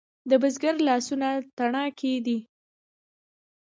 د بزګر لاسونه تڼاکې دي؟